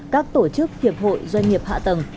các tổ chức hiệp hội doanh nghiệp hạ tầng